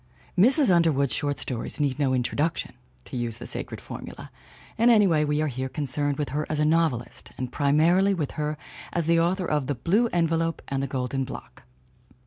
Mrs. Underwood's short stories need no introduc tion (to use the sacred formula), and anyway we are here concerned with her as a novelist, and primarily with her as the author of The Blue Envelope and The Golden Block.